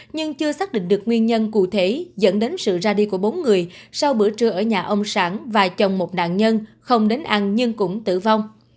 nhưng chưa xác định được nguyên nhân cụ thể dẫn đến sự ra đi của bốn người sau bữa trưa ở nhà ông sản và chồng một nạn nhân không đến ăn nhưng cũng tử vong